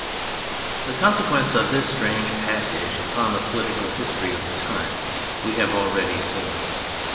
The consequence of this strange passage upon the political history of the time we have already seen.